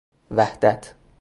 وحدت